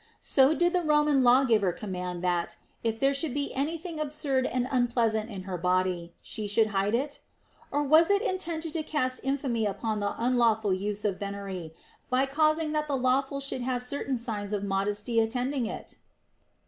So did the Roman lawgiver command that, if there should be any thing absurd and unpleasant in her body, she should hide it' Or was it intended to cast infamy upon the unlawful use of venery by causing that the lawful should have certain signs of modesty attending it